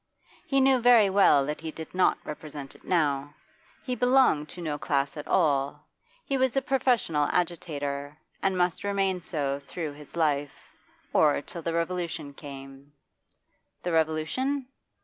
He knew very well that he did not represent it now; he belonged to no class at all; he was a professional agitator, and must remain so through his life or till the Revolution came. The Revolution?...